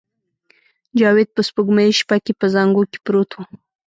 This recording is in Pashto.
جاوید په سپوږمیزه شپه کې په زانګو کې پروت و